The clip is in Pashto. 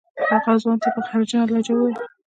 هغه ځوان ته یې په قهرجنه لهجه وویل.